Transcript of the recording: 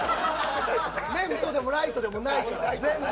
レフトでもライトでもないから。